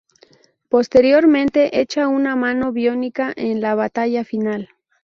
Posteriormente echa una mano biónica en la batalla final.